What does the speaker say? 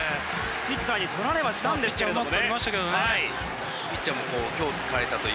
ピッチャーに捕られはしたんですけれどもね。